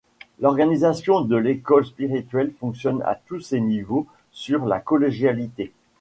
L'organisation de l'École spirituelle fonctionne à tous ses niveaux sur la collégialité.